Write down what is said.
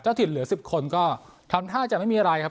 ถิ่นเหลือ๑๐คนก็ทำท่าจะไม่มีอะไรครับ